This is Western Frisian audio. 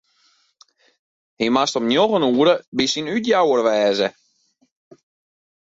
Hy moast om njoggen oere by syn útjouwer wêze.